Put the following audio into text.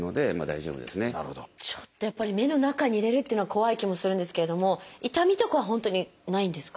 ちょっとやっぱり目の中に入れるっていうのは怖い気もするんですけれども痛みとかは本当にないんですか？